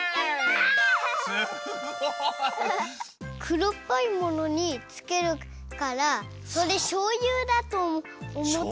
くろっぽいものにつけるからそれしょうゆだとおもったから。